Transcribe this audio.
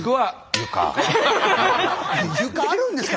床あるんですか？